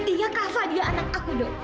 dia kava dia anak aku dong